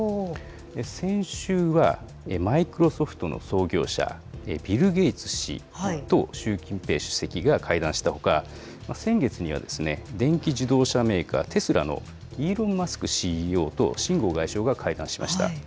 先週は、マイクロソフトの創業者、ビル・ゲイツ氏と習近平主席が会談したほか、先月には、電気自動車メーカー、テスラのイーロン・マスクＣＥＯと、秦剛外相が会談しました。